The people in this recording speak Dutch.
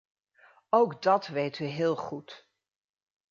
Ook dat weet u heel goed.